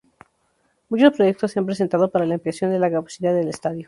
Muchos proyectos se han presentado para la ampliación de la capacidad del estadio.